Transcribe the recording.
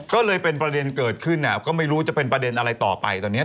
ก็เลยเป็นประเด็นเกิดขึ้นก็ไม่รู้จะเป็นประเด็นอะไรต่อไปตอนนี้